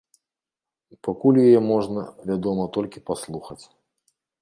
Пакуль яе можна, вядома, толькі паслухаць.